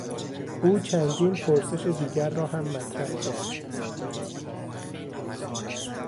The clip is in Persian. او چندین پرسش دیگر را هم مطرح کرد.